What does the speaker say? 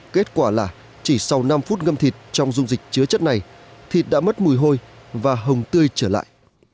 kết quả là chỉ sau năm phút ngâm thịt trong dung dịch chứa chất này thịt đã mất mùi hôi và hồng tươi trở lại